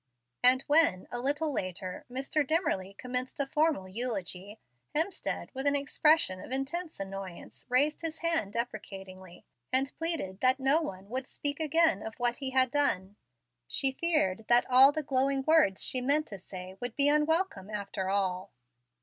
And when, a little later, Mr. Dimmerly commenced a formal eulogy, Hemstead with an expression of intense annoyance raised his hand deprecatingly, and pleaded that no one would speak again of what he had done, she feared that all the glowing words she meant to say would be unwelcome after all.